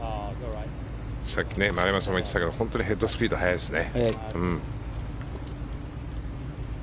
さっき丸山さんも言ってたけど本当にヘッドスピード速いですね。